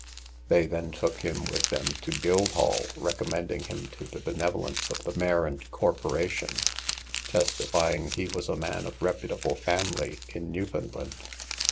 They then took him with them to Guildhall, recommending him to the benevolence of the mayor and corporation, testifying he was a man of reputable family in Newfoundland.